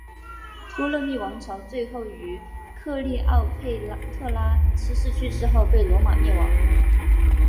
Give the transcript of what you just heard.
托勒密王朝最后于克丽奥佩特拉七世去世后被罗马灭亡。